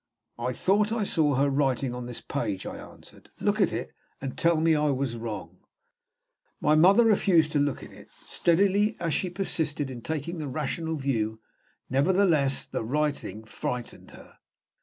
"I thought I saw her writing on this page," I answered. "Look at it, and tell me if I was wrong." My mother refused to look at it. Steadily as she persisted in taking the rational view, nevertheless the writing frightened her.